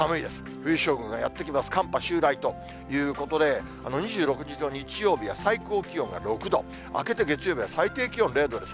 冬将軍がやって来ます、寒波襲来ということで、２６日の日曜日は、最高気温が６度、明けて月曜日は最低気温０度です。